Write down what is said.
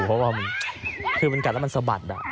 เพราะว่ามันกัดแล้วมันสะบัดอ่ะ